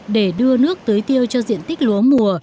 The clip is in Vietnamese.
để đưa nước tưới tiêu cho diện tích lúa mùa